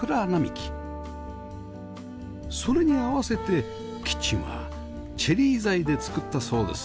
それに合わせてキッチンはチェリー材で造ったそうです